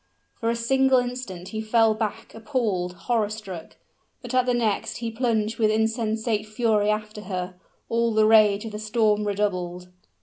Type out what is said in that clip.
For a single instant he fell back appalled, horror struck; but at the next, he plunged with insensate fury after her. And the rage of the storm redoubled.